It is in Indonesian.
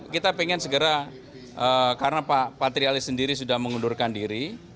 kita ingin segera karena pak patrialis sendiri sudah mengundurkan diri